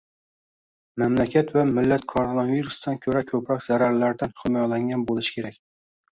Mamlakat va millat koronavirusdan ko'ra ko'proq zararlardan himoyalangan bo'lishi kerak